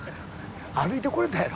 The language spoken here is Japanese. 歩いて来れたやろ。